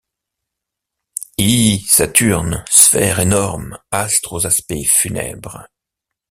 iii Saturne! sphère énorme ! astre aux aspects funèbres !